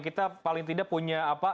kita paling tidak punya apa